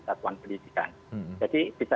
satuan pendidikan jadi bisa